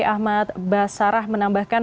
ahmad basarah menambahkan